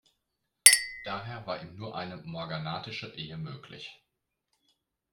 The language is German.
Daher war ihm nur eine morganatische Ehe möglich.